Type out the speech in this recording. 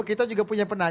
kita juga punya pertanyaan